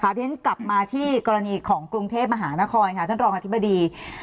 เพราะฉะนั้นกลับมาที่กรณีของกรุงเทพมหานครค่ะท่านรองอธิบดี